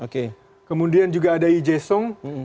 kemudian juga ada lee jae sung